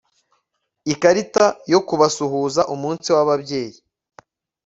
ikarita yo kubasuhuza umunsi wababyeyi